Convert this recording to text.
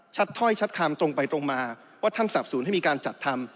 ถ้อยชัดคำตรงไปตรงมาว่าท่านสับสูญให้มีการจัดทำ